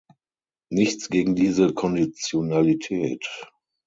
Nichts gegen diese Konditionalität!